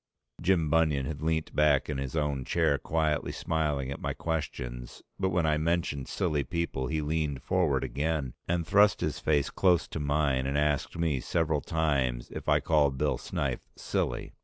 Jim Bunion had leant back in his own chair quietly smiling at my questions but when I mentioned silly people he leaned forward again, and thrust his face close to mine and asked me several times if I called Bill Snyth silly.